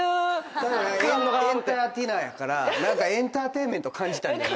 たぶんエンターテイナーやから何かエンターテインメント感じたんじゃない？